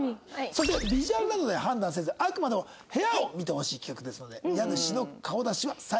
そしてビジュアルなどでは判断せずあくまでも部屋を見てほしい企画ですので家主の顔出しは最後に行います。